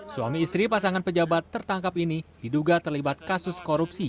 suami istri pasangan pejabat tertangkap ini diduga terlibat kasus korupsi